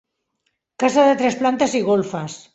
Casa de tres plantes i golfes.